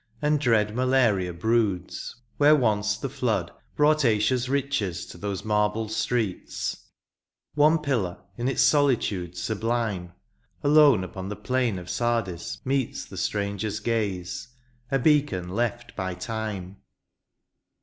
And dread malaria broods, where once the flood Brought Asians riches to those marble streets : One pillar, in its solitude sublime. Alone upon the plain of Sardis meets The stranger's gaze — a beacon left by time